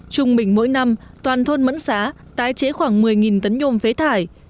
trung bình mỗi năm toàn thôn mẫn xá tái chế khoảng một mươi tấn nhôm phế thải